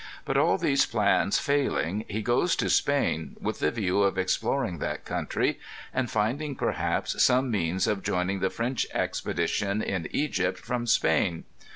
Bat all these plans fitilinar, he goes to Spain with the view of explor ing that country, and finding perhaps some means of joining the French expedition in Egypt from Spain.